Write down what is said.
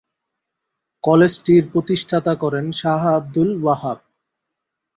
কলেজটির প্রতিষ্ঠাতা করেন শাহ আবদুল ওয়াহাব।